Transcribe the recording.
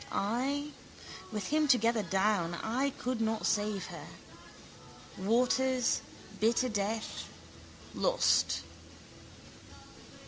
I... With him together down... I could not save her. Waters: bitter death: lost.